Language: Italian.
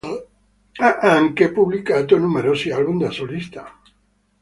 Ha anche pubblicato numerosi album da solista.